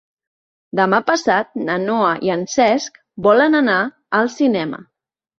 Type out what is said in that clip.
Demà passat na Noa i en Cesc volen anar al cinema.